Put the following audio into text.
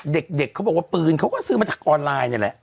เด็กเขาบอกว่าปืนเขาก็ซื้อมาจากออนไลน์นี่แหละ